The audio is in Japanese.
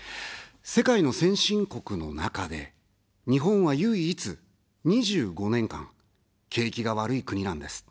世界の先進国の中で、日本は唯一、２５年間、景気が悪い国なんです。